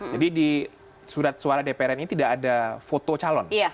jadi di surat suara dpr ri ini tidak ada foto calon